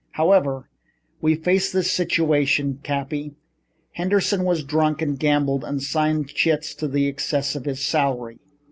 "However, we face this situation, Cappy. Henderson has drunk and gambled and signed chits in excess of his salary.